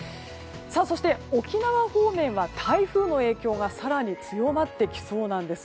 そして沖縄方面は台風の影響が更に強まってきそうなんです。